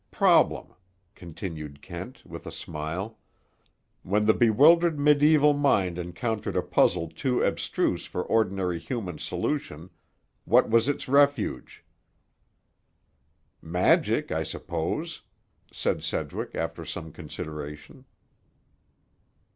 Problem," continued Kent, with a smile: "when the bewildered medieval mind encountered a puzzle too abstruse for ordinary human solution, what was its refuge?" "Magic, I suppose," said Sedgwick after some consideration.